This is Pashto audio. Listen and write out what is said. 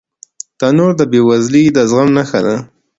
تنور د بې وزلۍ د زغم نښه ده